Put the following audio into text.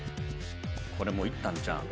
これもういったんちゃうん？